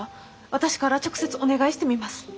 私から直接お願いしてみます。